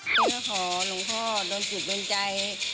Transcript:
เพื่อขอลุงพ่อโดนสุดบนใจ